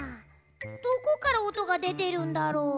どこからおとがでてるんだろう？